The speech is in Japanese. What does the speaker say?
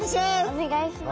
お願いします。